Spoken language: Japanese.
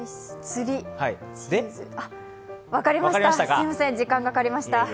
すいません時間かかりました。